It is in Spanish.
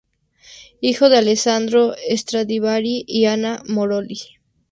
Hijo de Alessandro Stradivari y Ana Moroni.